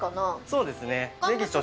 そうですね。